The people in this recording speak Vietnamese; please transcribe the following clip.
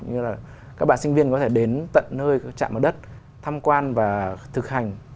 như là các bạn sinh viên có thể đến tận nơi trạm ở đất tham quan và thực hành